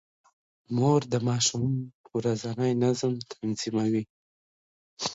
مور د ماشوم ورځنی نظم تنظيموي.